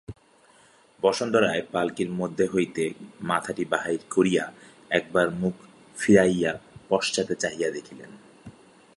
বসন্ত রায় পাল্কীর মধ্য হইতে মাথাটি বাহির করিয়া একবার মুখ ফিরাইয়া পশ্চাতে চাহিয়া দেখিলেন।